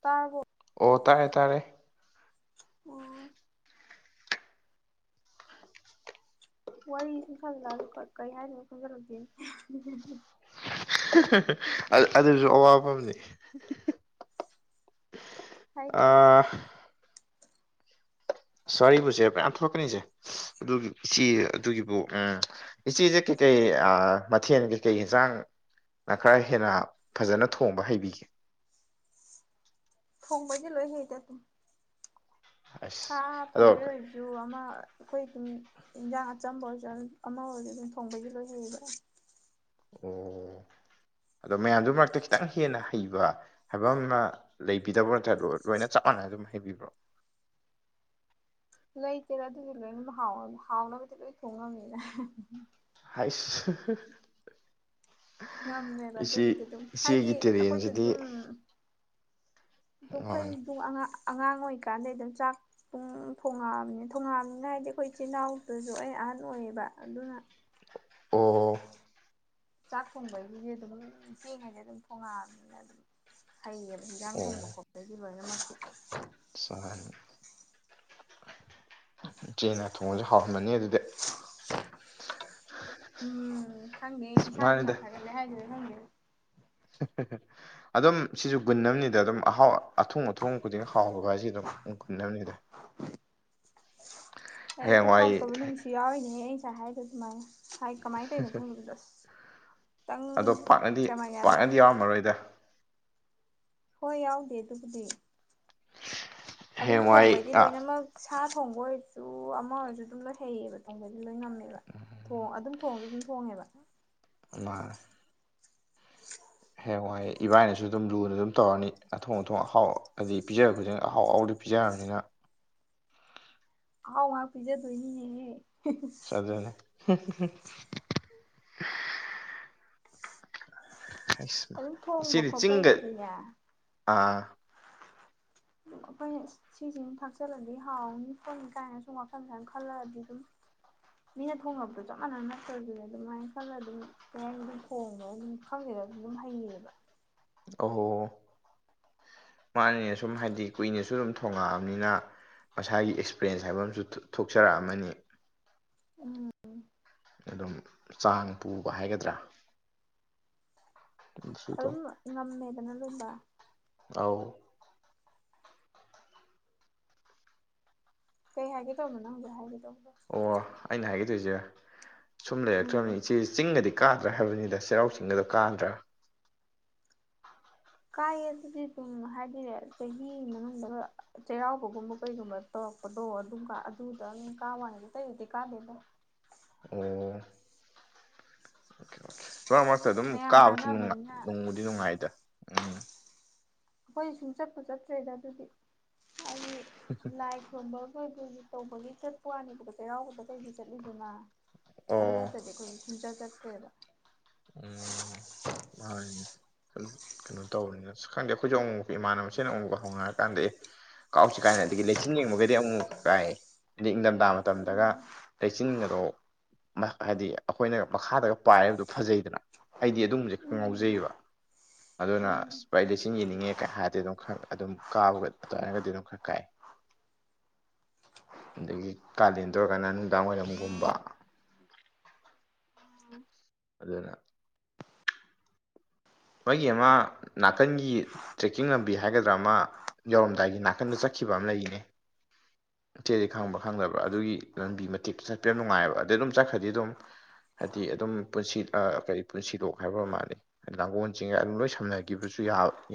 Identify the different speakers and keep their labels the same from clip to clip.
Speaker 1: ꯇꯥꯔꯕꯣ
Speaker 2: ꯑꯣ ꯇꯥꯔꯦ ꯇꯥꯔꯦ
Speaker 1: ꯑꯣ ꯋꯥꯔꯤ ꯁꯨꯝ ꯁꯥꯖꯤꯜꯂꯛꯑꯁꯨ ꯀꯥ ꯀꯩ ꯍꯥꯏꯗꯣꯢꯅꯣ ꯈꯪꯖꯜꯂꯛꯇꯦꯅꯦ ꯑꯍꯦꯍꯦꯍꯦ
Speaker 2: ꯍꯦꯍꯦꯍꯦꯍꯦ ꯑ ꯑꯗꯨꯁꯨ ꯑꯋꯥꯕ ꯑꯃꯅꯦ
Speaker 1: ꯍꯥꯏꯗꯤ
Speaker 2: ꯑꯥ ꯋꯥꯔꯤꯕꯨꯁꯦ ꯃꯌꯥꯝ ꯊꯣꯛꯂꯛꯀꯅꯤꯁꯦ ꯑꯗꯨꯒꯤꯕꯨ ꯏꯆꯦ ꯑꯗꯨꯒꯤꯕꯨ ꯑ ꯏꯆꯦꯁꯦ ꯀꯩ ꯀꯩ ꯑꯥ ꯃꯊꯦꯜ ꯀꯩꯀꯩ ꯌꯦꯟꯁꯥꯡ ꯅꯈꯔ ꯍꯦꯟꯅ ꯐꯖꯅ ꯊꯣꯡꯕ ꯍꯩꯕꯤꯒꯦ
Speaker 1: ꯊꯣꯡꯕꯗꯤ ꯂꯣꯏ ꯍꯩꯗ ꯑꯗꯨꯝ ꯁꯥ
Speaker 2: ꯑꯁ ꯑꯗꯣ
Speaker 1: ꯊꯣꯡꯕꯩ ꯑꯣꯏꯔꯖꯨ ꯑꯃ ꯑꯩꯈꯣꯏ ꯗꯨꯝ ꯏꯟꯖꯥꯡ ꯑꯆꯝꯕ ꯑꯣꯏꯔꯁꯨ ꯑꯃ ꯑꯣꯏꯔꯁꯨ ꯑꯗꯨꯝ ꯊꯣꯡꯕꯩꯗꯤ ꯂꯣꯏ ꯍꯩꯌꯦꯕ
Speaker 2: ꯑꯣ ꯑꯗꯣ ꯃꯌꯥꯝꯗꯨ ꯃꯔꯛꯇ ꯈꯤꯇꯪ ꯍꯦꯟꯅ ꯍꯩꯕ ꯍꯥꯏꯕ ꯑꯃ ꯂꯩꯕꯤꯗꯕ꯭ꯔꯣ ꯅꯠꯇ꯭ꯔ ꯂꯣꯏꯅ ꯆꯥꯡ ꯆꯞ ꯃꯥꯟꯅꯅ ꯑꯗꯨꯝ ꯍꯩꯕꯤꯕ꯭ꯔꯣ
Speaker 1: [inaudible] ꯂꯩꯇꯦꯗ ꯑꯗꯨꯗꯤ ꯂꯣꯏꯅꯕ ꯍꯥꯎꯅꯕ ꯍꯥꯎꯅꯕꯗꯤ ꯂꯣꯏ ꯊꯣꯡꯉꯝꯃꯤꯗ ꯑꯦꯍꯦ
Speaker 2: ꯢꯁ
Speaker 1: ꯉꯝꯃꯦꯕ
Speaker 2: ꯍꯥꯍꯥ ꯏꯆꯦ
Speaker 1: ꯑꯗꯨꯒꯤꯗꯤ ꯑꯗꯨꯝ ꯍꯥꯏꯗꯤ
Speaker 2: ꯏꯆꯦꯒꯤ ꯇꯦꯂꯦꯟꯁꯤꯗꯤ
Speaker 1: ꯑꯗꯣ ꯈꯣꯏꯗꯨ ꯑꯉꯥꯛ ꯑꯉꯥꯡ ꯑꯣꯏꯔꯤꯀꯥꯟꯗꯩ ꯗꯨꯝ ꯆꯥꯛ ꯄꯨꯡ ꯊꯣꯡꯉꯛꯑꯕꯅꯤꯅ ꯊꯣꯡꯉꯛꯑꯕꯅꯤꯅ ꯍꯥꯏꯗꯤ ꯑꯩꯈꯣꯏ ꯆꯤꯜ ꯏꯅꯥꯎꯗꯨꯁꯨ ꯑꯩ ꯑ ꯑꯍꯟ ꯑꯣꯏꯌꯦꯕ ꯑꯗꯨꯅ
Speaker 2: ꯑꯣ
Speaker 1: ꯆꯥꯛ ꯊꯣꯡꯕꯩꯁꯤꯗꯤ ꯑꯗꯨꯝ ꯄꯤꯛꯢꯉꯩꯗꯩ ꯑꯗꯨꯝ ꯊꯣꯡꯉꯛꯑꯕꯅꯤꯅ ꯑꯗꯨꯝ ꯍꯩꯌꯦꯕ ꯏꯟꯖꯥꯡ ꯊꯣꯡꯕ ꯈꯣꯠꯄꯒꯤ ꯂꯣꯏꯅꯃꯛꯁꯤ
Speaker 2: ꯁꯥꯢ ꯢꯆꯦꯅ ꯊꯣꯡꯕꯁꯦ ꯍꯥꯎꯔꯝꯃꯅꯤ ꯑꯗꯨꯗꯤ
Speaker 1: ꯎꯝ ꯈꯪꯗꯦ
Speaker 2: ꯑꯁ
Speaker 1: ꯏꯁꯥꯅ ꯢꯁꯥ ꯊꯥꯒꯠꯂꯦ ꯍꯥꯏꯗꯣꯢꯔ ꯈꯪꯗꯦ
Speaker 2: ꯍꯦꯍꯦꯍꯦ ꯑꯗꯨꯝ ꯁꯤꯁꯨ ꯒꯨꯟ ꯑꯃꯅꯤꯗ ꯑꯗꯨꯝ ꯑꯍꯥꯎ ꯑꯊꯣꯡ ꯑꯊꯣꯡ ꯈꯨꯗꯤꯡ ꯍꯥꯎꯕ ꯍꯥꯏꯁꯦ ꯑꯗꯨꯝ ꯒꯨꯟ ꯑꯃꯅꯤꯗ
Speaker 1: ꯑꯦ ꯑꯗꯨ
Speaker 2: ꯍꯌꯦꯡꯋꯥꯏ
Speaker 1: ꯍꯥꯎꯇꯕ ꯅꯨꯃꯤꯠꯁꯨ ꯌꯥꯎꯔꯤꯅꯦꯍꯦ ꯑꯩ ꯉꯁꯥꯏ ꯍꯥꯏꯗꯣ ꯑꯗꯨꯃꯥꯏꯅ ꯍꯥꯏ ꯀꯃꯥꯏ ꯇꯩꯅꯣ ꯈꯪꯗꯁ
Speaker 2: ꯑꯗꯣ ꯄꯥꯛꯅꯗꯤ ꯄꯥꯛꯅꯗꯤ ꯌꯥꯎꯔꯝꯃꯔꯣꯏꯗ
Speaker 1: ꯍꯣꯏ ꯌꯥꯎꯗꯦ ꯑꯗꯨꯕꯨꯗꯤ ꯑꯗꯨꯝ
Speaker 2: ꯍꯌꯦꯡꯋꯥꯏ
Speaker 1: ꯊꯣꯡꯕꯩꯗꯤ
Speaker 2: ꯑ
Speaker 1: ꯂꯣꯏꯅꯃꯛ ꯁꯥ ꯊꯣꯡꯕ ꯑꯣꯏꯔꯁꯨ ꯑꯃ ꯑꯣꯏꯔꯁꯨ ꯑꯗꯨꯝ ꯂꯣꯏ ꯍꯩꯌꯦꯕ ꯊꯣꯡꯕꯩꯗꯤ ꯂꯣꯏ ꯉꯝꯃꯦꯕ ꯊꯣꯡ ꯑꯗꯨꯝ ꯊꯣꯡꯁꯨ ꯑꯗꯨꯝ ꯊꯣꯡꯉꯦꯕ
Speaker 2: ꯑꯃꯥꯔ ꯍꯌꯦꯡꯋꯥꯏ ꯏꯕꯥꯏꯅꯁꯨ ꯑꯗꯨꯝ ꯂꯨꯅ ꯑꯗꯨꯝ ꯇꯧꯔꯅꯤ ꯑꯊꯣꯡ ꯑꯊꯣꯡ ꯑꯍꯥꯎ ꯍꯥꯏꯗꯤ ꯄꯤꯖꯔ ꯈꯨꯗꯤꯡꯒꯤ ꯑꯍꯥꯎ ꯑꯍꯥꯎꯕꯗ ꯄꯤꯖꯔ ꯀꯅꯤꯅ
Speaker 1: ꯑꯍꯥꯎ ꯉꯥꯛ ꯄꯤꯖ ꯗꯣꯏꯅꯤꯅꯦꯍꯦ
Speaker 2: ꯆꯖꯅꯤ
Speaker 1: ꯑꯗꯨꯝ ꯊꯣꯡꯕ
Speaker 2: ꯏꯆꯦꯅꯤ ꯆꯤꯡꯒ
Speaker 1: ꯈꯣꯠꯄꯩꯁꯤꯗꯤꯅꯦ
Speaker 2: ꯑꯥ
Speaker 1: [inaudible] ꯑꯩꯈꯣꯏꯅ ꯁꯤꯁꯦ ꯑꯃ ꯊꯥꯛꯆꯜꯂꯗꯤ ꯍꯥꯎꯅꯤ ꯈꯣꯠꯅꯤ ꯀꯥꯏꯅ ꯁꯨꯝ ꯋꯥꯈꯜꯁꯨꯃꯥꯏꯅ ꯈꯜꯂꯒꯗꯤ ꯑꯗꯨꯝ ꯃꯤꯅ ꯊꯣꯉꯄꯗꯣ ꯆꯞ ꯃꯥꯟꯅꯅ ꯅꯠꯇ꯭ꯔꯗꯤꯅꯦ ꯑꯗꯨꯃꯥꯏꯅ ꯈꯜꯂ ꯑꯗꯨꯝ ꯀꯩꯍꯥꯏꯅꯤ ꯑꯗꯨꯝ ꯊꯣꯡꯉꯣ ꯑꯗꯨꯝ ꯈꯪꯗꯦ ꯑꯗꯨꯝ ꯍꯩꯌꯦꯕ
Speaker 2: ꯑꯍꯣ ꯃꯥꯅꯤꯅ ꯁꯨꯝ ꯍꯥꯏꯗꯤ ꯀꯨꯏꯅꯁꯨ ꯑꯗꯨꯝ ꯊꯣꯉꯛꯑꯕꯅꯤꯅ ꯃꯁꯥꯒꯤ ꯑꯦꯛꯁꯄꯔꯦꯟꯁ ꯍꯥꯏꯕ ꯑꯃꯁꯨ ꯊꯣꯛꯆꯔꯛꯑꯝꯃꯅꯤ
Speaker 1: ꯎꯝ
Speaker 2: ꯑꯗꯨꯝ ꯆꯥꯡ ꯄꯨꯕ ꯍꯥꯏꯒꯗ꯭ꯔꯥ
Speaker 1: ꯑꯗꯨꯝ ꯉꯃꯦꯗꯅ ꯑꯗꯨ ꯝꯕ
Speaker 2: ꯑꯥꯎ
Speaker 1: ꯀꯩ ꯍꯥꯏꯒꯦ ꯇꯧꯔꯝꯃꯤꯅꯣ ꯅꯪ ꯍꯧꯖꯔꯛ ꯍꯥꯏꯒꯤꯗꯣ
Speaker 2: ꯑꯣ ꯑꯩꯅ ꯍꯥꯏꯒꯦꯇꯨꯏꯖꯦ ꯁꯨꯝ ꯂꯩꯔꯛꯇ꯭ꯔꯕꯅꯤ ꯏꯆꯦ ꯆꯤꯡꯒꯗꯤ ꯀꯥꯗ꯭ꯔꯥ ꯍꯥꯏꯕꯅꯤꯗ ꯆꯩꯔꯥꯎ ꯆꯤꯡꯒꯗꯣ ꯀꯥꯗ꯭ꯔꯥ
Speaker 1: ꯀꯥꯏꯌꯦ ꯑꯗꯨꯗꯤ ꯗꯨꯝ ꯍꯥꯏꯗꯤꯅꯦ ꯆꯍꯤ ꯃꯅꯨꯡꯗ ꯆꯩꯔꯥꯎꯕꯒꯨꯝꯕ ꯀꯩꯒꯨꯝꯕ ꯇꯧꯔꯛ ꯄꯗꯣ ꯑꯗꯨꯝ ꯀꯥꯟ ꯑꯗꯨꯗꯪ ꯀꯥꯕ ꯋꯥꯅꯤꯗ ꯑꯇꯩꯗꯗꯤ ꯀꯥꯗꯦꯗ
Speaker 2: ꯑꯣ ꯑꯣꯀꯦ ꯑꯣꯀꯦ ꯃꯔꯛ ꯃꯔꯛꯇ ꯑꯗꯨꯝ
Speaker 1: ꯃꯌꯥꯝ
Speaker 2: ꯀꯥꯕꯁꯨ ꯅꯨꯡꯉꯥꯏ
Speaker 1: ꯀꯥꯟꯅꯕꯅꯤꯅ
Speaker 2: ꯅꯨꯡꯕꯨꯗꯤ ꯅꯨꯡꯉꯥꯏꯗ ꯎꯝ
Speaker 1: ꯑꯩꯈꯣꯏ ꯁꯨꯡꯆꯠꯄꯨ ꯆꯠꯇ꯭ꯔꯦꯗ ꯑꯗꯨꯗꯤ ꯍꯥꯏꯗꯤ ꯂꯥꯏ ꯈꯨꯔꯝꯕꯒ ꯀꯩꯒꯤ ꯇꯧꯕꯒꯤ ꯆꯠꯄ ꯋꯥꯅꯦꯕꯣ ꯆꯩꯔꯥꯎꯕꯗ ꯀꯩꯗꯤ ꯆꯠꯂꯤꯗꯅ
Speaker 2: ꯑꯣ
Speaker 1: ꯑꯗꯨ ꯅꯠꯇꯗꯤ ꯑꯩꯈꯣꯏꯗꯤ ꯁꯨꯡꯆꯠ ꯆꯠꯇ꯭ꯔꯦꯕ
Speaker 2: ꯎꯝ ꯍꯣꯏꯅꯦ ꯀꯩꯅꯣ ꯇꯧꯕꯅꯤꯅ ꯈꯪꯗꯦ ꯑꯩꯈꯣꯏꯁꯨ ꯑꯃꯨꯛ ꯃꯨꯛꯀ ꯏꯃꯥꯟꯅꯕꯁꯤꯅ ꯑꯃꯨꯛ ꯍꯧꯅꯔ ꯀꯥꯟꯗ ꯑꯦ ꯀꯥꯎꯁꯤ ꯀꯥꯏꯅ ꯑꯗꯒꯤ ꯂꯩꯆꯤꯟ ꯌꯦꯡꯕꯒꯗꯤ ꯑꯃꯨꯛ ꯀꯥꯏ ꯑꯗꯩ ꯅꯤꯡꯊꯝꯊꯥ ꯃꯇꯝꯗꯒ
Speaker 1: ꯎꯝ
Speaker 2: ꯂꯩꯆꯤꯟꯒꯗꯣ ꯍꯥꯏꯗꯤ ꯑꯩꯈꯣꯏꯅ ꯃꯈꯥꯗꯒ ꯄꯥꯏꯔꯂꯩꯕꯗꯣ ꯐꯖꯩꯗꯅ ꯑꯩꯗꯤ ꯑꯗꯨꯝꯕꯁꯦ ꯈꯔ ꯉꯥꯎꯖꯩꯕ ꯑꯗꯨꯅ
Speaker 1: ꯎꯝ
Speaker 2: ꯚꯥꯏ ꯑꯁ ꯑꯩꯗꯤ ꯂꯩꯆꯤꯜ ꯌꯦꯡꯅꯤꯡꯉꯦ ꯀ ꯍꯥꯏꯔꯗꯤ ꯑꯗꯨꯝ ꯈꯔ ꯑꯗꯨꯝ ꯀꯥꯕꯒ ꯑꯗꯨꯃꯥꯏꯅꯒꯗꯤ ꯑꯗꯨꯝ ꯈꯔ ꯀꯥꯏ
Speaker 1: [inaudible]
Speaker 2: ꯑꯗꯒꯤ ꯀꯥꯂꯦꯟ ꯑꯣꯏꯔꯀꯥꯟꯗ ꯅꯨꯡꯗꯥꯡ ꯋꯥꯏꯔꯝꯒꯨꯝꯕ ꯑꯗꯨꯅ ꯃꯣꯏꯒꯤ ꯑꯃ ꯅꯥꯀꯟꯒꯤ ꯇ꯭ꯔꯦꯛꯀꯤꯡ ꯂꯝꯕꯤ ꯍꯥꯏꯒꯗ꯭ꯔꯥ ꯑꯃ ꯌꯧꯔꯝꯗꯥꯏꯒꯤ ꯅꯥꯀꯟꯗ ꯆꯠꯈꯤ ꯈꯤꯕ ꯑꯃ ꯂꯩꯔꯤꯅꯦ ꯏꯆꯦꯗꯤ ꯈꯪꯕ ꯈꯪꯗꯕ ꯑꯗꯨꯒꯤ ꯂꯝꯕꯤ ꯃꯇꯛꯇ ꯆꯠꯄ ꯌꯥꯝ ꯅꯨꯡꯉꯥꯏꯑꯕ ꯑꯗꯩ ꯑꯗꯨꯝ ꯆꯠꯈ꯭ꯔꯗꯤ ꯑꯗꯨꯝ ꯍꯥꯏꯗꯤ ꯑꯗꯨꯝ ꯄꯨꯟꯁꯤ ꯀꯔꯤ ꯄꯨꯟꯁꯤꯂꯣꯛ ꯍꯥꯏꯕ ꯑꯣꯏꯔ ꯃꯥꯜꯂꯦ ꯂꯥꯡꯒꯣꯜ ꯆꯤꯡꯉꯥꯏ ꯑꯗꯨꯝ ꯂꯣꯏ ꯁꯝ ꯅꯒꯤꯕꯁꯨ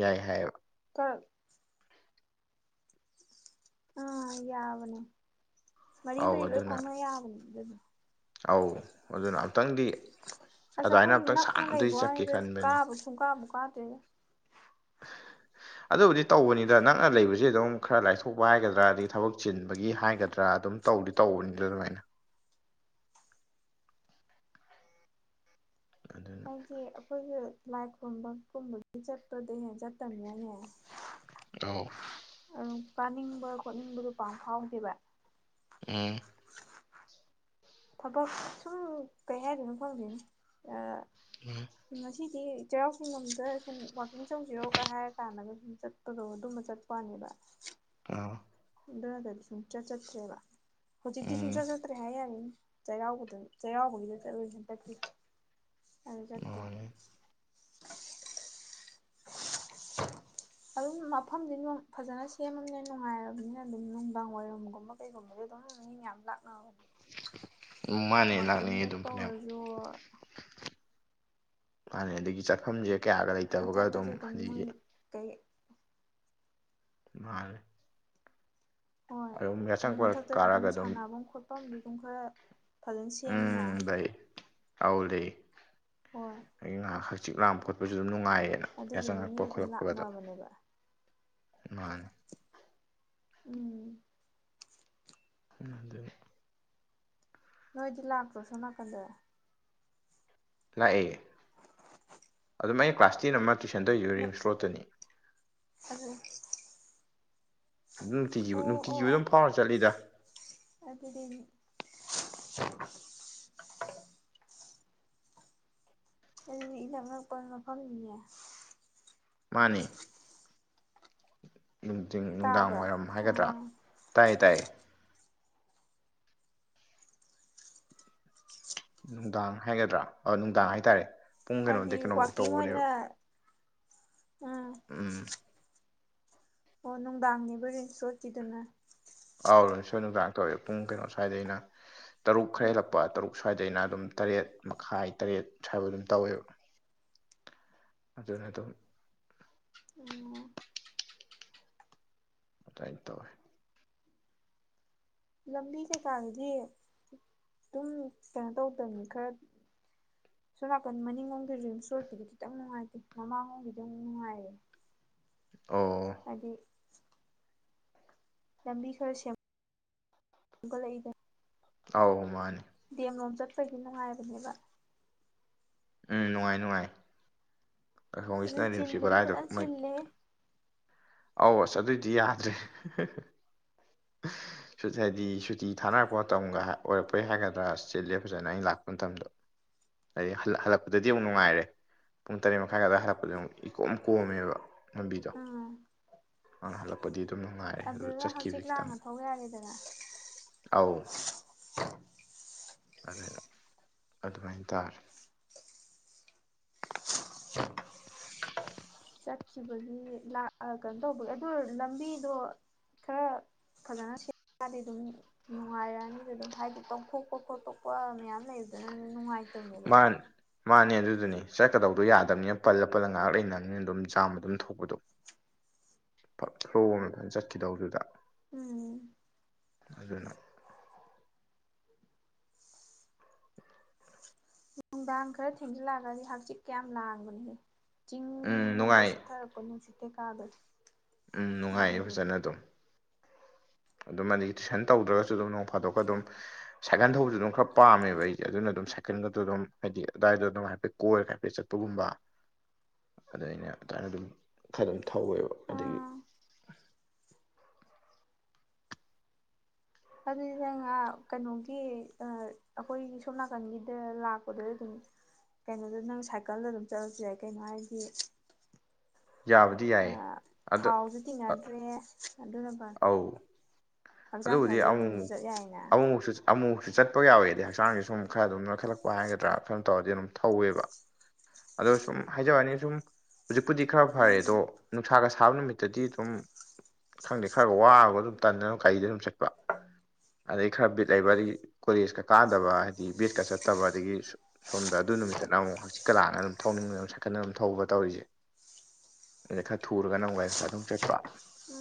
Speaker 2: ꯌꯥꯏ ꯍꯥꯏꯌꯦꯕ
Speaker 1: ꯎꯝ ꯑꯥ ꯌꯥꯕꯅꯦ ꯃꯔꯤ
Speaker 2: ꯑꯧ
Speaker 1: ꯃꯔꯤ ꯂꯣꯏ
Speaker 2: ꯑꯗꯨꯅ
Speaker 1: ꯐꯥꯎꯅꯕ ꯌꯥꯕꯅꯦ ꯑꯗꯨꯗꯣ
Speaker 2: ꯑꯧ ꯑꯗꯨꯅ ꯑꯃꯨꯛꯇꯪꯗꯤ
Speaker 1: ꯑꯁ ꯑꯩꯈꯣꯏ ꯅꯛꯅ ꯂꯩꯕ ꯋꯥꯅꯤꯗ
Speaker 2: ꯈꯟꯕꯅꯤ
Speaker 1: ꯀꯥꯕꯨ ꯁꯨꯡ ꯀꯥꯕꯨ ꯀꯥꯗ꯭ꯔꯦꯗ [inaudible]
Speaker 2: ꯑꯗꯨꯕꯨꯗꯤ ꯇꯧꯕꯅꯤꯗ ꯅꯛꯅ ꯂꯩꯕꯁꯦ ꯑꯗꯨꯝ ꯈꯔ ꯂꯥꯏꯊꯣꯛꯄ ꯍꯥꯏꯒꯗ꯭ꯔꯥ ꯑꯗꯒꯤ ꯊꯕꯛ ꯆꯤꯟꯕꯒꯤ ꯍꯥꯏꯒꯗ꯭ꯔꯥ ꯑꯗꯨꯝ ꯇꯧ ꯇꯧꯗꯤ ꯇꯧꯕꯅꯤꯗ ꯑꯗꯨꯃꯥꯏꯅ ꯑꯗꯨꯅ
Speaker 1: ꯍꯥꯏꯗꯤ ꯑꯩꯈꯣꯏꯒꯤ ꯂꯥꯏ ꯈꯨꯨꯝꯕ ꯀꯨꯝꯕꯒꯤ ꯆꯠꯄꯗ ꯍꯦꯟꯅ ꯆꯠꯇꯕꯅꯤꯅꯅꯦ
Speaker 2: ꯇꯥꯎ
Speaker 1: ꯀꯥꯅꯤꯡꯕ ꯈꯣꯠꯅꯤꯡꯕꯗꯨ ꯄꯥꯛ ꯐꯥꯎꯗꯦꯕ
Speaker 2: ꯎꯝ
Speaker 1: ꯊꯕꯛ ꯁꯨꯝ ꯀꯩ ꯍꯥꯏꯗꯅꯣ ꯈꯪꯗꯦ
Speaker 2: ꯎꯝ
Speaker 1: ꯁꯤꯗꯤ ꯆꯩꯔꯥꯎ ꯆꯤꯡ ꯂꯣꯝꯗ ꯁꯨꯝ ꯋꯥꯛꯀꯤꯡ ꯆꯠꯂꯨꯁꯤꯔꯣꯒ ꯍꯥꯏꯔ ꯀꯥꯟꯗꯒ ꯁꯨꯝ ꯆꯠꯄꯗꯣ ꯑꯗꯨꯃ ꯆꯠꯄ ꯋꯥꯅꯦꯕ ꯕ
Speaker 2: ꯑꯥ
Speaker 1: ꯗꯨ ꯅꯠꯇ꯭ꯔꯗꯤ ꯁꯨꯡꯆꯠ ꯆꯠꯇ꯭ꯔꯦꯕ
Speaker 2: ꯎꯝ
Speaker 1: ꯍꯧꯖꯤꯛꯇꯤ ꯁꯨꯡꯆꯠ ꯆꯠꯇ꯭ꯔꯦ ꯍꯥꯏ ꯌꯥꯅꯤꯅ ꯆꯩꯔꯥꯎꯕꯗ ꯆꯩꯔꯥꯎꯕꯒꯤꯗ ꯆꯠꯂꯨ ꯍꯟꯇꯛꯀꯤ ꯑꯗꯨ ꯆꯠꯇꯦ
Speaker 2: ꯃꯥꯅꯦ
Speaker 1: [inaudible] ꯑꯗꯨꯝ ꯃꯐꯝꯗꯤ ꯐꯖꯅ ꯁꯦꯝꯃꯕꯅꯤꯅ ꯅꯨꯡꯉꯥꯏꯔꯕꯅꯤꯅ ꯑꯗꯨꯝ ꯅꯨꯡꯗꯥꯡ ꯋꯥꯏꯔꯝꯒꯨꯝꯕ ꯀꯩꯒꯨꯝꯕꯗꯤ ꯑꯗꯨꯝ ꯃꯤ ꯌꯥꯝ ꯂꯥꯛꯅꯕꯅꯦ
Speaker 2: ꯎꯝ ꯃꯥꯅꯦ
Speaker 1: ꯋꯥꯛꯀꯤꯡ
Speaker 2: ꯂꯥꯛꯅꯤꯡꯉꯤ ꯑꯗꯨꯝ
Speaker 1: ꯆꯠꯄ ꯑꯣꯏꯔꯁꯨ
Speaker 2: ꯃꯥꯟꯅꯩ ꯑꯗꯒꯤ ꯆꯠꯐꯝꯁꯦ ꯀꯌꯥꯒ ꯂꯩꯇꯕꯒ ꯑꯗꯨꯝ
Speaker 1: ꯃꯊꯛꯇꯁꯨ ꯃꯣꯏ
Speaker 2: ꯍꯧꯖꯤꯛꯁꯦ
Speaker 1: ꯀꯩ
Speaker 2: ꯃꯥꯟꯅꯦ
Speaker 1: ꯍꯣꯏ ꯑꯗꯨꯗꯩ ꯃꯊꯛꯇꯁꯨ ꯑꯗꯨꯝ ꯁꯥꯟꯐꯝ ꯈꯣꯠꯄꯁꯨ ꯑꯗꯨꯝ ꯈꯥꯔ ꯐꯖꯅ ꯁꯦꯝꯃꯤꯅ
Speaker 2: ꯇꯧꯗ
Speaker 1: ꯍꯣꯏ
Speaker 2: ꯉꯥꯏꯍꯥꯛ ꯍꯛꯆꯤꯛ ꯂꯥꯡꯕ ꯈꯣꯠꯄꯁꯨ ꯑꯗꯨꯝ ꯅꯨꯡ ꯉꯥꯏꯌꯦꯅ
Speaker 1: ꯑꯗꯨꯗꯨꯅ ꯃꯤꯗꯤ
Speaker 2: ꯌꯥꯆꯪꯉꯛꯄ
Speaker 1: ꯑꯗꯨꯝ
Speaker 2: ꯈꯣꯠꯂꯛꯄꯒꯗꯣ
Speaker 1: ꯂꯥꯛꯅꯕꯅꯦꯕ
Speaker 2: ꯃꯥꯅꯤ
Speaker 1: ꯎꯝ
Speaker 2: ꯑꯗꯨꯅꯤ
Speaker 1: ꯅꯣꯏꯗꯤ ꯂꯥꯛ ꯇ꯭ꯔꯣ ꯁꯣꯝꯅꯥꯀꯟꯗ
Speaker 2: ꯂꯥꯛꯑꯦ ꯑꯗꯨꯝ ꯑꯩꯅ ꯀ꯭ꯂꯥꯁ ꯇꯦꯟ ꯑꯃ ꯇꯨꯏꯁꯟ ꯇꯨꯋꯤꯗꯣ ꯔꯤꯝꯁ ꯔꯣꯗꯠꯇꯅꯤ
Speaker 1: ꯑꯗꯨꯅꯤ
Speaker 2: ꯑꯗꯨꯝ ꯅꯨꯡꯇꯤꯒꯤ
Speaker 1: ꯑꯣ
Speaker 2: ꯅꯨꯡꯇꯤꯒꯤ
Speaker 1: ꯑꯣ
Speaker 2: ꯑꯗꯨꯝ ꯐꯥꯎꯔ ꯆꯠꯂꯤꯗ
Speaker 1: [unintelligible] [unintelligible] ꯑꯗꯨꯗꯤ ꯏꯅꯛ ꯅꯛꯄ ꯃꯐꯝꯅꯤꯅꯦ
Speaker 2: ꯃꯥꯟꯅꯦ ꯅꯨꯡꯊꯤꯡ ꯅꯨꯡꯗꯥꯡ
Speaker 1: ꯇꯥꯕ꯭ꯔꯥ
Speaker 2: ꯋꯥꯏꯔꯝ ꯍꯥꯏꯒꯗ꯭ꯔꯥ
Speaker 1: ꯑꯣ
Speaker 2: ꯇꯥꯏꯌꯦ ꯇꯥꯏꯌꯦ ꯅꯨꯡꯗꯥꯡ ꯍꯥꯏꯒꯗ꯭ꯔꯥ ꯑꯣ ꯅꯨꯡꯗꯥꯡ ꯍꯥꯏꯇꯥꯔꯦ ꯄꯨꯡ
Speaker 1: ꯍꯥꯏꯗꯤ
Speaker 2: ꯀꯩꯅꯣꯗꯩ ꯀꯩꯅꯣꯐꯧ
Speaker 1: ꯋꯥꯛꯀꯤꯡ
Speaker 2: ꯇꯧꯕꯅꯦꯕ
Speaker 1: ꯑꯣꯏꯅ
Speaker 2: ꯎꯝ
Speaker 1: ꯑꯣ ꯅꯨꯡꯗꯥꯡꯅꯦꯕ ꯔꯤꯝꯁ ꯔꯣꯠꯀꯤꯗꯨꯅ
Speaker 2: ꯑꯧ ꯔꯤꯝꯁ ꯅ ꯅꯨꯡꯗꯥꯡ ꯇꯧꯑꯦ ꯄꯨꯡ ꯀꯩꯅꯣ ꯑꯁꯥꯏꯗꯩꯅ ꯇꯔꯨꯛ ꯈꯥꯔ ꯍꯦꯜꯂꯛꯄ ꯇꯔꯨꯛ ꯁꯨ ꯁ꯭ꯋꯥꯏꯗ ꯑꯗꯨꯝ ꯇꯔꯦꯠ ꯃꯈꯥꯏ ꯇꯔꯦꯠ ꯁ꯭ꯋꯥꯏꯕ ꯑꯗꯨꯝ ꯇꯧꯋꯦꯕ ꯑꯗꯨꯅ ꯗꯨꯝ
Speaker 1: ꯑꯣ
Speaker 2: ꯑꯗꯥꯏ ꯇꯧꯋꯦ
Speaker 1: ꯂꯝꯕꯤ ꯀꯩꯀꯥꯒꯤꯗꯤ ꯑꯗꯨꯝ ꯀꯩꯅꯣ ꯇꯧꯗꯕꯅꯤ ꯈꯥꯔ ꯁꯣꯝ ꯅꯥꯀꯟ ꯃꯅꯤꯡꯔꯣꯝꯒꯤ ꯔꯤꯝꯁꯔꯣꯠꯇꯨꯗꯤ ꯈꯤꯇꯪ ꯅꯨꯡꯉꯥꯏꯇꯦ ꯃꯃꯥꯡꯂꯣꯝꯒꯤꯗꯤ ꯅꯨꯡꯉꯥꯏꯔꯦ
Speaker 2: ꯑꯣ
Speaker 1: ꯂꯝꯕꯤ ꯈꯥꯔ ꯁꯦꯝ ꯁꯦꯝꯒꯠꯂꯛꯏꯗ
Speaker 2: ꯑꯧ ꯃꯥꯟꯅꯦ
Speaker 1: ꯗꯤ ꯑꯦꯝ ꯂꯣꯝ ꯆꯠꯄꯒꯤ ꯅꯨꯡꯉꯥꯏꯕꯅꯦꯕ
Speaker 2: ꯎꯝ ꯅꯨꯡꯉꯥꯏ ꯅꯨꯡꯉꯥꯏ ꯑꯁꯣꯝ
Speaker 1: ꯑꯗꯨ
Speaker 2: [unintelligible]
Speaker 1: ꯆꯤꯟꯕꯨꯗꯤ
Speaker 2: ꯒꯣꯂꯥꯏꯗꯣ
Speaker 1: ꯐꯖꯅ
Speaker 2: ꯃꯣꯏ
Speaker 1: ꯆꯤꯜꯂꯦ
Speaker 2: ꯑꯧ ꯑꯁ ꯑꯗꯨꯏꯗꯤ ꯌꯥꯗ꯭ꯔꯦ ꯁꯨ ꯍꯥꯏꯗꯤ ꯁꯨꯇꯤ ꯊꯥꯅꯔꯛꯄ ꯃꯇꯝꯒ ꯑꯣꯏꯔꯛꯄꯩ ꯍꯥꯏꯒꯗ꯭ꯔꯥ ꯆꯤꯟꯂꯦ ꯐꯖꯅ ꯑꯩꯅ ꯂꯥꯛꯄ ꯃꯇꯝꯗꯣ ꯑꯗꯩ ꯍꯜꯂꯛꯄꯗꯗꯤ ꯑꯃꯨꯛ ꯅꯨꯡꯉꯥꯏꯔꯦ ꯄꯨꯡ ꯇꯔꯦꯠ ꯃꯈꯥꯏ ꯑꯗꯥꯏꯒꯤ ꯍꯜꯂꯛꯄꯗꯗꯤ ꯑꯃꯨꯛ ꯏꯀꯣꯝ ꯀꯣꯝꯃꯦꯕ ꯂꯝꯕꯤꯗꯣ
Speaker 1: ꯑꯥ
Speaker 2: ꯑꯪ ꯍꯜꯂꯛꯄꯗꯤ ꯑꯗꯨꯝ ꯅꯨꯡꯉꯥꯏꯔꯦ ꯑꯗꯨ
Speaker 1: ꯑꯗꯨꯗ ꯍꯪꯆꯤꯠ
Speaker 2: ꯆꯠꯈꯤꯕꯗꯤ ꯈꯤꯇꯪ
Speaker 1: ꯂꯥꯡꯅ ꯊꯧ ꯌꯥꯔꯦꯗꯅ
Speaker 2: ꯑꯧ
Speaker 1: [inaudible]
Speaker 2: ꯑꯗꯩꯗ ꯑꯗꯨꯃꯥꯏꯅ ꯇꯥꯔꯦ [inaudible]
Speaker 1: ꯆꯠꯈꯤꯕꯒꯤ ꯂ ꯑ ꯀꯩꯅꯣꯇꯧꯕꯒꯤ ꯑꯗꯨ ꯂꯝꯕꯤꯗꯣ ꯈꯔ ꯐꯖꯅ ꯁꯦꯝꯃꯛꯑꯗꯤ ꯑꯗꯨꯝ ꯅꯨꯡꯉꯥꯏꯔꯛꯑꯅꯤ ꯑꯗꯨꯝ ꯍꯥꯏꯗꯤ ꯇꯧꯊꯣꯛꯄ ꯈꯣꯠꯇꯣꯛꯄ ꯄ ꯃꯌꯥꯝ ꯂꯩꯕꯗꯨꯅꯅꯤ ꯅꯨꯡꯉꯥꯏꯇꯕꯅꯦꯕ
Speaker 2: ꯃꯥꯅꯦ ꯃꯥꯅꯦ ꯑꯗꯨꯗꯨꯅꯤ ꯆꯠꯀꯗꯧꯗꯣ ꯌꯥꯗꯕꯅꯤꯅ ꯄꯜꯂ ꯄꯜꯂꯒ ꯉꯥꯏꯍꯥꯛ ꯂꯩꯅꯕꯅꯤꯅ ꯑꯗꯨꯝ ꯖꯥꯝ ꯑꯗꯨꯝ ꯊꯣꯛꯄꯗꯣ
Speaker 1: [inaudible]
Speaker 2: ꯄ ꯐ꯭ꯂꯣ ꯑꯃꯗ ꯆꯠꯈꯤꯗꯧꯗꯨꯗ
Speaker 1: ꯎꯝ
Speaker 2: ꯑꯗꯨꯅ
Speaker 1: ꯅꯨꯡꯗꯥꯡ ꯈꯔ ꯊꯦꯡꯖꯤꯜꯂꯛꯑꯒꯗꯤ ꯍꯛꯆꯤꯠ ꯀꯥ ꯌꯥꯝ ꯂꯥꯡꯕꯅꯦ ꯆꯤꯡ
Speaker 2: ꯎꯝ ꯅꯨꯡꯉꯥꯏ
Speaker 1: ꯂꯣꯝꯗꯒꯤ ꯁꯤꯠꯊꯔꯛꯄ ꯅꯨꯡꯁꯤꯠ ꯀꯩꯀꯥꯗꯣ
Speaker 2: ꯎꯝ ꯅꯨꯡꯉꯥꯏꯌꯦ
Speaker 1: ꯑꯗꯨꯗꯨꯅ
Speaker 2: ꯐꯖꯅ ꯑꯗꯨꯝ
Speaker 1: [inaudible]
Speaker 2: ꯑꯗꯨꯝ ꯑꯗꯒꯤ ꯇꯨꯏꯁꯟ ꯇꯧꯗ꯭ꯔꯒꯁꯨ ꯑꯗꯨꯝ ꯅꯣꯡ ꯐꯥꯗꯣꯛꯀ ꯑꯗꯨꯝ ꯁꯥꯏꯀꯜ ꯊꯧꯕꯁꯨ ꯑꯗꯨꯝ ꯈꯔ ꯄꯥꯝꯃꯦꯕ ꯑꯩꯁꯦ ꯑꯗꯨꯅ ꯑꯗꯨꯝ ꯁꯥꯏꯀꯜꯒꯗ ꯑꯗꯨꯝ ꯍꯥꯏꯗꯤ ꯑꯗꯨꯗꯥꯏꯗ ꯑꯗꯨꯝ ꯍꯥꯏꯐꯦꯠ ꯀꯣꯏꯔꯒ ꯍꯥꯏꯐꯦꯠ ꯆꯠꯄꯒꯨꯝꯕ ꯑꯗꯨꯗ ꯑꯩꯅ ꯑꯗꯨꯃꯥꯏꯅ ꯑꯗꯨꯝ ꯈꯔ ꯑꯗꯨꯝ ꯊꯧꯋꯦꯕ ꯑꯗꯒꯤ
Speaker 1: ꯑꯥ ꯑꯗꯨꯗꯤ ꯅꯪꯉꯍ ꯀꯩꯅꯣꯒꯤ ꯑꯩꯈꯣꯏꯒꯤ ꯁꯣꯝ ꯅꯥꯀꯟꯒꯤꯗ ꯂꯥꯛꯄꯗ ꯑꯗꯨꯝ ꯀꯩꯅꯣꯗ ꯅꯪ ꯁꯥꯏꯀꯜꯗ ꯑꯗꯨꯝ ꯆꯠꯂꯁꯨ ꯌꯥꯏ ꯀꯩꯅꯣ ꯍꯥꯏꯗꯤ
Speaker 2: ꯌꯥꯕꯨꯗꯤ ꯌꯥꯏꯌꯦ ꯑꯗ
Speaker 1: ꯊꯥꯎꯁꯨ ꯇꯤꯡꯅꯗ꯭ꯔꯦ ꯑꯗꯨꯅ ꯐꯔꯦ
Speaker 2: ꯑꯧ
Speaker 1: ꯍꯛꯆꯥꯡ
Speaker 2: ꯑꯗꯨꯕꯨꯗꯤ
Speaker 1: ꯁꯥꯖꯦꯜ
Speaker 2: ꯑꯃꯨꯛ
Speaker 1: ꯑꯣꯏꯅꯁꯨ
Speaker 2: ꯃꯨꯛ
Speaker 1: ꯆꯠ ꯌꯥꯏꯅ
Speaker 2: ꯑꯃꯨꯃꯛꯁꯨ ꯑꯃꯨꯃꯛꯁꯨ ꯆꯠꯄ ꯌꯥꯎꯋꯦꯗꯤ ꯍꯛꯆꯥꯡꯁꯦ ꯁꯨꯝ ꯈꯔ ꯑꯗꯨꯝ ꯅꯣꯏꯈꯠꯂꯛꯄ ꯍꯥꯏꯒꯗ꯭ꯔꯥ ꯀꯩꯅꯣꯝ ꯇꯧꯔꯗꯤ ꯑꯗꯨꯝ ꯊꯧꯋꯦꯕ ꯑꯗꯣ ꯁꯨꯝ ꯍꯥꯏꯖꯕ ꯋꯥꯅꯤ ꯁꯨꯝ ꯍꯧꯖꯤꯛꯄꯨꯗꯤ ꯈꯔ ꯐꯔꯦ
Speaker 1: ꯎꯝ
Speaker 2: ꯑꯗꯣ ꯅꯨꯡꯁꯥꯒ ꯁꯥꯕ ꯅꯨꯃꯤꯠꯇꯗꯤ ꯑꯗꯨꯝ ꯈꯪꯗꯦ ꯈꯔꯒ ꯋꯥꯕꯒ ꯑꯗꯨꯝ ꯇꯟꯅꯗꯅ ꯒꯔꯤꯗ ꯑꯗꯨꯝ ꯆꯠ ꯑꯗꯗꯒꯤ ꯈꯔ ꯕꯤꯠ ꯂꯩꯕ ꯑꯗꯒꯤ ꯀꯣꯂꯦꯖꯀ ꯀꯥꯗꯕ ꯍꯥꯏꯗꯤ ꯕꯦꯠꯀ ꯆꯠꯇꯕ ꯑꯗꯒꯤ ꯁꯣꯝꯗ ꯑꯗꯨ ꯅꯨꯃꯤꯠ ꯀꯅ ꯑꯃꯨꯛ ꯍꯥꯡꯆꯤꯛꯀ ꯂꯥꯡꯉꯒ ꯑꯗꯨꯝ ꯊꯧꯅꯤꯡꯕꯅꯦ ꯁꯥꯏꯀꯜ ꯑꯃ ꯊꯧꯕ ꯇꯧꯔꯤꯖꯦ
Speaker 1: [inaudible]
Speaker 2: ꯑꯩꯅ ꯈꯔ ꯊꯨꯔꯒꯅ ꯑꯃꯨꯛ ꯒꯥꯔꯤ ꯃꯆꯥꯗ ꯑꯃꯨꯛ ꯆꯠꯄ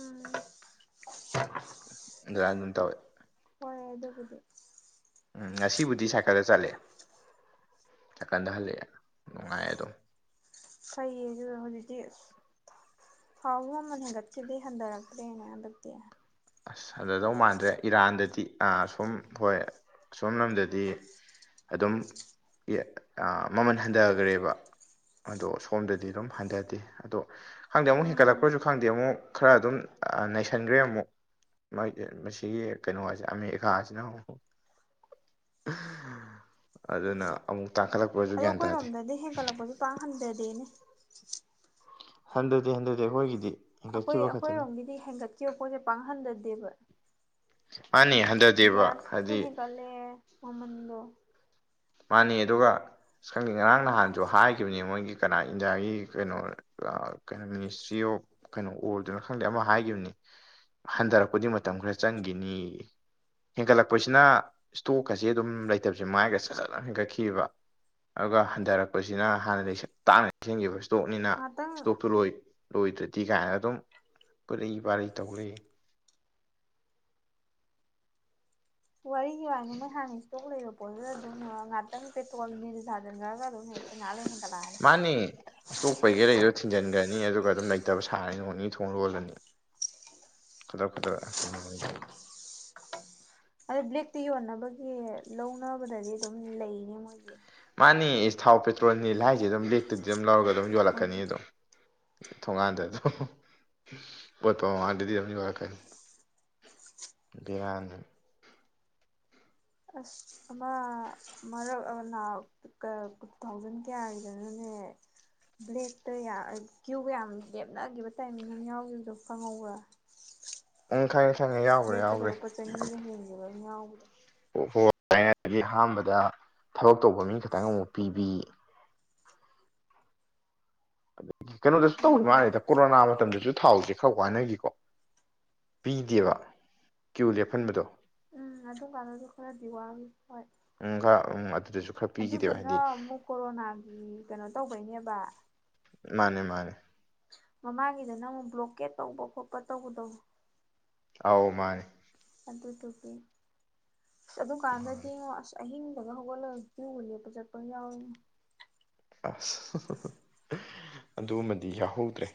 Speaker 1: ꯎꯝ
Speaker 2: ꯑꯗꯨꯃꯥꯏꯅ ꯑꯗꯨꯝ ꯇꯧꯑꯦ
Speaker 1: ꯍꯣꯏ ꯑꯗꯨꯕꯨꯗꯤ
Speaker 2: ꯎꯝ ꯉꯁꯤꯕꯨꯗꯤ ꯁꯥꯏꯀꯜꯗ ꯆꯠꯂꯦ ꯁꯥꯏꯀꯟꯗ ꯍꯜꯂꯛꯑꯦ ꯅꯨꯡꯉꯥꯏꯑꯦ ꯑꯗꯨꯝ
Speaker 1: ꯐꯩꯌꯦ ꯑꯗꯨ ꯍꯧꯖꯤꯛꯇꯤ ꯊꯥꯎꯁꯨ ꯃꯃꯜ ꯍꯦꯟꯒꯠꯈꯤꯕꯗꯒꯤ ꯍꯟꯊꯔꯛꯇ꯭ꯔꯦꯅꯦ ꯍꯟꯗꯛꯇꯤ
Speaker 2: ꯑꯁ ꯍꯟꯗꯗꯧ ꯃꯥꯟꯗ꯭ꯔꯦ ꯏꯔꯥꯟꯗꯗꯤ ꯑ ꯁꯨꯝ ꯍꯣꯏ ꯑꯁꯣꯝ ꯂꯣꯝꯗꯗꯤ ꯑꯗꯨꯝ ꯏ ꯑꯥ ꯃꯃꯟ ꯍꯟꯗꯒ꯭ꯔꯦꯕ ꯑꯗꯣ ꯁꯣꯝꯗꯗꯤ ꯑꯗꯨꯝ ꯍꯟꯗꯗꯦ ꯑꯗꯣ ꯈꯪꯗꯦ ꯑꯃꯨꯛ ꯍꯦꯟꯀꯠꯂꯛꯄ꯭ꯔꯖꯨ ꯈꯪꯗꯦ ꯑꯃꯨꯛ ꯈꯔ ꯑꯗꯨꯝ ꯑꯥ ꯅꯩꯁꯟꯒ꯭ꯔꯦ ꯑꯃꯨꯛ ꯃꯥꯒꯤ ꯃꯁꯤꯒꯤ ꯀꯩꯅꯣ ꯑꯖꯦ ꯑꯃꯦꯏꯀꯥꯖꯤꯅꯕꯀꯣ ꯑꯗꯨꯅ ꯑꯃꯨꯛ ꯇꯥꯡꯈꯠꯂꯛꯄꯁꯨ
Speaker 1: ꯑꯗꯣ
Speaker 2: ꯒ꯭ꯌꯥꯟ ꯇꯥꯗꯦ
Speaker 1: ꯑꯈꯣꯏꯔꯣꯝꯗꯗꯤ ꯍꯦꯟꯀꯠꯂꯛꯄꯖꯦ ꯄꯥꯛ ꯍꯟꯗꯗꯦꯅꯦ
Speaker 2: ꯍꯟꯗꯗꯦ ꯍꯟꯗꯗꯦ ꯑꯒꯣꯏꯒꯤꯗꯤ
Speaker 1: ꯑꯈꯣꯏ ꯑꯈꯣꯏꯔꯣꯝꯒꯤꯗꯤ ꯍꯦꯟꯒꯠꯈꯤꯕ ꯄꯣꯠꯁꯦ ꯄꯥꯛ ꯍꯟꯗꯗꯦꯕ
Speaker 2: ꯃꯥꯅꯤ
Speaker 1: ꯎꯝ
Speaker 2: ꯍꯟꯊꯗꯦꯕ
Speaker 1: ꯒ꯭ꯌꯥꯁꯁꯨ
Speaker 2: ꯍꯥꯏꯗꯤ
Speaker 1: ꯍꯦꯟꯒꯠꯂꯦꯑꯦ ꯃꯃꯟꯗꯣ
Speaker 2: ꯃꯥꯅꯤ ꯑꯗꯨꯒꯥ ꯁꯪꯗꯦ ꯉꯔꯥꯡ ꯅꯍꯥꯟꯖꯨ ꯍꯥꯏꯒꯤꯕꯅꯤ ꯃꯣꯏꯒꯤ ꯀꯅꯥ ꯏꯟꯗꯤꯌꯥꯒꯤ ꯀꯅꯣ ꯑꯥ ꯀꯩꯅꯣ ꯃꯤꯅꯤꯁꯇ꯭ꯔꯤ ꯑꯣꯐ ꯑꯣ ꯀꯩꯅꯣ ꯑꯣꯗꯨꯔ ꯈꯪꯗꯦ ꯑꯃ ꯍꯥꯏꯒꯤꯕꯅꯤ ꯍꯟꯗꯔꯛꯄꯗꯤ ꯃꯇꯝ ꯈꯔ ꯆꯪꯒꯤꯅꯦꯌꯦ ꯍꯦꯟꯀꯠꯂꯛꯄꯁꯤꯅꯥ ꯏꯁꯇꯣꯛꯀꯁꯦ ꯑꯗꯨꯝ ꯂꯩꯇꯕꯖꯦ ꯃꯥꯏꯒꯔꯦ ꯐꯖꯅ ꯍꯦꯟꯒꯠꯈꯤꯕꯥ ꯑꯧꯒ ꯍꯟꯗꯔꯛꯄꯖꯤꯅ ꯍꯥꯟꯅ ꯂꯩꯁꯟ ꯇꯥꯡꯅ ꯂꯩꯁꯟꯒꯤꯕ ꯇꯣꯛꯅꯤꯅꯥ
Speaker 1: ꯉꯍꯥꯛꯇꯪ
Speaker 2: ꯏꯁꯇꯣꯛꯇꯨ ꯂꯣꯏ ꯂꯣꯏꯗ꯭ꯔꯗꯤ ꯀꯥꯏꯅ ꯑꯗꯨꯝ ꯄꯨꯔꯩ ꯄꯥꯔꯩ ꯇꯧ ꯂꯩꯌꯦ
Speaker 1: ꯋꯥꯔꯤꯒꯤ ꯋꯥꯅꯤ ꯃꯣꯏ ꯍꯥꯟꯅ ꯏꯁꯇꯣꯛ ꯂꯩꯕ ꯄꯣꯠꯇꯨꯗ ꯑꯗꯨꯝ ꯉꯥꯠꯇꯪ ꯄꯦꯇꯣꯜ ꯅꯤꯜ ꯊꯥꯖꯤꯟꯈ꯭ꯔꯒ ꯑꯗꯨꯝ ꯍꯦꯛꯇ ꯉꯥꯏꯍꯥꯛ ꯂꯩ ꯍꯦꯟꯒꯠꯂꯛꯑꯅꯤ
Speaker 2: ꯃꯥꯟꯅꯤ ꯏꯁꯇꯣꯛ ꯄꯩꯒꯩ ꯂꯩꯗꯣ ꯊꯤꯡꯖꯟꯒ꯭ꯔꯅꯤ ꯑꯗꯨꯒ ꯑꯗꯨꯝ ꯂꯩꯇꯕ ꯁꯥꯔꯅꯤ ꯅꯣꯡ ꯅꯤꯅꯤ ꯊꯣꯡ ꯂꯣꯜꯂꯅꯤ ꯈꯗ꯭ꯔꯛ ꯐꯗ꯭ꯔꯛ ꯉꯥꯛꯇꯅꯤ ꯃꯣꯏ ꯇꯩꯖꯦ
Speaker 1: ꯑꯔ ꯕ꯭ꯂꯦꯛꯇ ꯌꯣꯟꯅꯕꯒꯤ ꯂꯧꯅꯕꯗꯗꯤ ꯑꯗꯨꯝ ꯂꯩꯅꯦ ꯃꯣꯏꯒꯤ
Speaker 2: ꯃꯥꯟꯅꯤ ꯏꯁ ꯊꯥꯎ ꯄꯦꯇ꯭ꯔꯣꯜ ꯅꯤꯜ ꯍꯥꯏꯖꯦ ꯑꯗꯨꯝ ꯕ꯭ꯂꯦꯛꯇ ꯑꯗꯨꯝ ꯂꯧꯔꯒ ꯑꯗꯨꯝ ꯌꯣꯜꯂꯛꯀꯅꯤ
Speaker 1: ꯃꯣꯏꯒꯤ
Speaker 2: ꯑꯗꯨꯝ ꯊꯣꯡꯉꯥꯟꯗ ꯑꯗꯣ ꯑꯣꯏꯜꯄꯝ ꯃꯃꯥꯡꯗꯗꯤ ꯑꯗꯨꯝ ꯌꯣꯔꯛꯀꯅꯤ ꯕꯦꯔꯥꯅꯤ
Speaker 1: ꯑꯁ ꯑꯃꯥ ꯃꯔꯛ ꯑꯃ ꯅꯥꯎ ꯑꯥ ꯇꯨ ꯊꯥꯎꯖꯟ ꯀꯌꯥꯒꯤꯗꯅꯣꯅꯦ ꯖꯦ ꯕ꯭ꯂꯦꯛꯇ ꯌꯥ ꯀ꯭ꯌꯨꯒ ꯌꯥꯝ ꯂꯦꯞꯅꯒꯤꯕ ꯇꯥꯏꯃꯤꯡ ꯑꯃ ꯌꯥꯎꯒꯤꯕꯗꯣ ꯈꯪꯍꯧꯕ꯭ꯔꯥ [inaudible]
Speaker 2: ꯑꯪ ꯈꯪꯑꯦ
Speaker 1: ꯕ꯭ꯂꯦꯛꯇꯒ ꯂꯨꯄ ꯆꯅꯤꯒ ꯍꯦꯟꯒꯤꯕꯃ ꯌꯥꯎꯕꯗꯣ
Speaker 2: ꯍꯣꯏ ꯊꯥꯏꯅꯒꯤ ꯑꯍꯥꯟꯕꯗ ꯊꯕꯛ ꯇꯧꯕ ꯃꯤ ꯈꯇꯪ ꯑꯃꯨꯛ ꯄꯤꯕꯤ ꯀꯩꯅꯣꯗꯁꯨ ꯇꯧꯒꯤ
Speaker 1: ꯎꯝ
Speaker 2: ꯃꯥꯜꯂꯤꯗ ꯀꯣꯔꯣꯅꯥ ꯃꯇꯝꯗꯖꯨ ꯊꯥꯎꯖꯦ ꯈꯔ ꯋꯥꯅꯒꯤꯀꯣ ꯄꯤꯗꯦꯕ ꯀ꯭ꯌꯨ ꯂꯦꯞꯐꯟꯕꯗꯣ
Speaker 1: ꯎꯝ ꯑꯗꯨ ꯀꯥꯟꯗꯖꯨ ꯈꯔꯗꯤ ꯋꯥꯒꯤ ꯍꯣꯏ
Speaker 2: ꯎꯝ ꯈꯔ ꯎꯝ ꯑꯗꯨꯗꯁꯨ ꯈꯔ ꯄꯤꯈꯤꯗꯦꯕ
Speaker 1: ꯑꯗꯨꯗꯨꯅꯥ
Speaker 2: ꯍꯥꯏꯗꯤ
Speaker 1: ꯑꯃꯨꯛ ꯀꯣꯔꯣꯅꯥꯒꯤ ꯀꯅꯣ ꯇꯧꯕꯩꯅꯦꯕꯥ [inaudible]
Speaker 2: ꯃꯥꯟꯅꯦ ꯃꯥꯟꯅꯦ
Speaker 1: ꯃꯃꯥꯡꯒꯤꯗꯅꯃꯨꯛ ꯕ꯭ꯂꯣꯀꯦꯠ ꯇꯧꯕ ꯈꯣꯠꯄ ꯇꯧꯕꯗꯣ
Speaker 2: ꯑꯥꯎ ꯃꯥꯅꯦ
Speaker 1: ꯑꯗꯨꯗꯨꯒꯤ
Speaker 2: ꯃꯥꯅꯦ
Speaker 1: ꯑꯗꯨꯀꯥꯟꯗꯗꯤꯉꯣ ꯑꯁ ꯑꯍꯤꯡꯗꯒ ꯍꯧꯒꯠꯂꯒ ꯀ꯭ꯌꯨꯒ ꯂꯦꯞꯄ ꯆꯠꯄꯒ ꯌꯥꯎꯋꯤ
Speaker 2: ꯑꯁ ꯑꯗꯨꯃꯗꯤ ꯌꯥꯎꯍꯧꯗ꯭ꯔꯦ